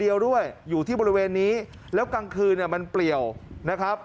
อยู่ที่บริเวณนี้แล้วกลางคืนมันเปรียวนะครับ